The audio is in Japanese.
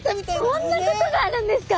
そんなことがあるんですか！？